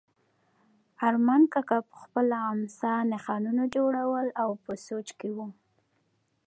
ارمان کاکا په خپله امسا نښانونه جوړول او په سوچ کې و.